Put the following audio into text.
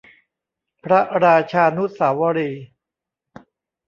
พระราชานุสาวรีย์